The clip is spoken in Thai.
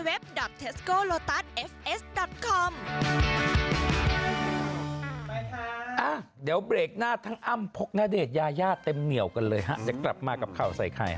ให้คุณผู้ชมดูอันนี้กล้องมา